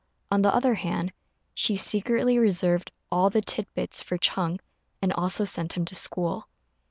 On the other hand she secretly reserved all the tit bits for Ch'êng, and also sent him to school.